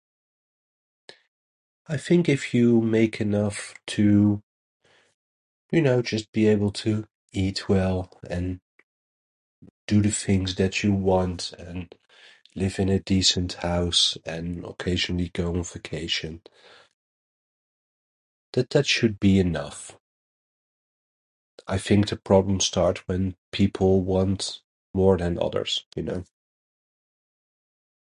I think if you make enough to, you know, just be able to eat well, and do the things that you want, and live in a decent house and location, you go on vacation. That that should be enough. I think the problems start when people want more than others, you know?